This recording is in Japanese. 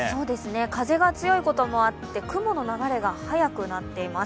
風が強いこともあって、雲の流れが速くなっています。